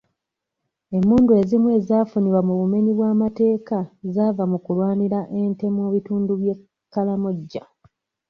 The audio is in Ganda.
Emmundu ezimu ezaafunibwa mu bumebyi bw'amateeka zaava mu kulwanira ente mu bitundu by'e Karamoja.